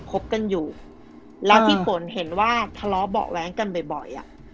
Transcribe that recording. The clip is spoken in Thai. คบกันอยู่แล้วพี่ฝนเห็นว่าทะเลาะเบาะแว้งกันบ่อยอ่ะ